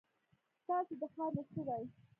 ستاسو د ښار نو څه دی ؟